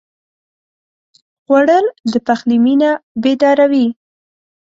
خوړل د پخلي مېنه بیداروي